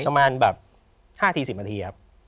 ประมาณแบบ๕๔๐นาทีครับ